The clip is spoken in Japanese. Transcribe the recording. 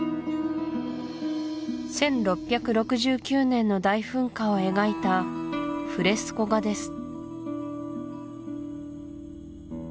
１６６９年の大噴火を描いたフレスコ画です